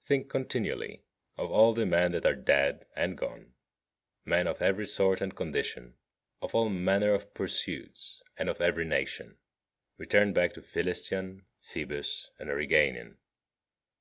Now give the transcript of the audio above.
47. Think continually of all the men that are dead and gone, men of every sort and condition, of all manner of pursuits, and of every nation. Return back to Philistion, Phoebus, and Origanion.